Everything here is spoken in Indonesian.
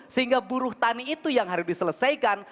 sehingga buruh tani itu yang harus diselesaikan